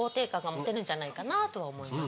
んじゃないかなとは思います。